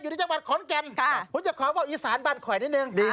อยู่ในจังหวัดของกัน